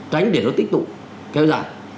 tránh để nó tích tụng